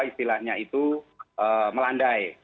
jadi di tengah covid yang melandai